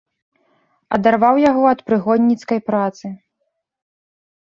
Адарваў яго ад прыгонніцкай працы.